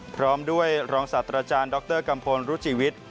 พร้อมด้วยรองศาสตราจารย์ดรกัมพลรุจิวิทย์